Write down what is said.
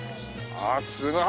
ああすごい。